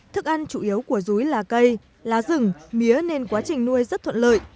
thức ăn chủ yếu của rúi là cây lá rừng mía nên quá trình nuôi rất thuận lợi